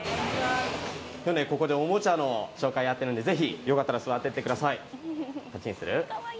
ここでおもちゃの紹介やってるのでよかったら座っていてください。